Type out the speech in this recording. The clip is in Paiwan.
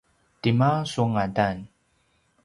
tima su ngadan?